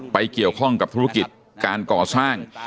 เกี่ยวข้องกับธุรกิจการก่อสร้าง